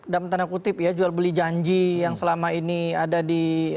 dalam tanda kutip ya jual beli janji yang selama ini ada di